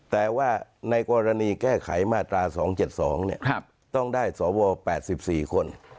แต่ว่าในกรณีแก้ไขมาตรา๒๗๒ต้องได้สว๘๔คน